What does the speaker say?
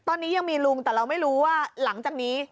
ตอนนี้ยังมีลุงแต่เราไม่รู้ว่าหลังจากนี้